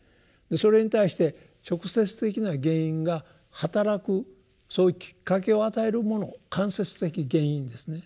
それに対して直接的な原因がはたらくそういうきっかけを与えるもの間接的原因ですね。